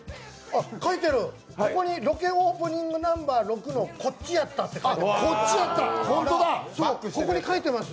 ここにロケオープニングナンバー６の「こっちやった」って書いてます。